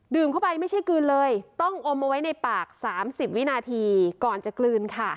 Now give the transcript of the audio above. เข้าไปไม่ใช่กลืนเลยต้องอมเอาไว้ในปาก๓๐วินาทีก่อนจะกลืนค่ะ